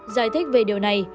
giải thích về điều này